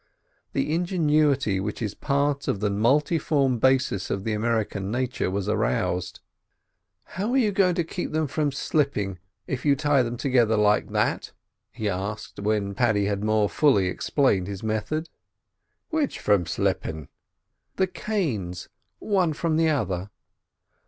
The ingenuity which is part of the multiform basis of the American nature was aroused. "How're you going to keep them from slipping, if you tie them together like that?" he asked, when Paddy had more fully explained his method. "Which from slippin'?" "The canes—one from the other?"